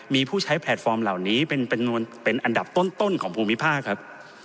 มีผู้ใช้แพลตฟอร์มเหล่านี้เป็นอันดับต้นของภูมิภาคครับ